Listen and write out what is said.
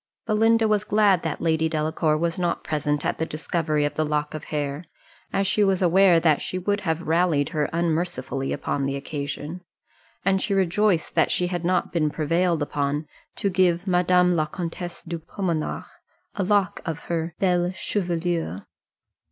Belinda was glad that Lady Delacour was not present at the discovery of the lock of hair, as she was aware that she would have rallied her unmercifully upon the occasion; and she rejoiced that she had not been prevailed upon to give Madame la Comtesse de Pomenars a lock of her belle chevelure.